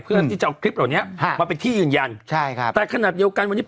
เพื่อที่จะเอาคลิปเหล่านี้ฮะมาเป็นที่ยืนยันใช่ครับแต่ขนาดเดียวกันวันนี้